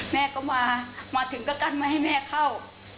แม่ก็มามาถึงก็กั้นไม่ให้แม่เข้า